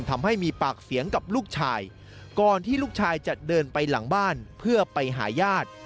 ที่ลูกชายจะเดินไปหลังบ้านเพื่อไปหายาด